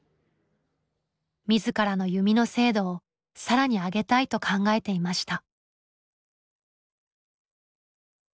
自らの弓の精度を更に上げたいと考えていました。